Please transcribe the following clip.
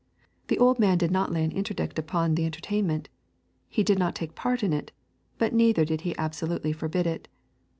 The old man did not lay an interdict upon the entertainment. He did not take part in it, but neither did he absolutely forbid it.